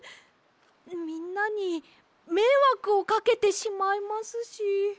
みんなにめいわくをかけてしまいますし。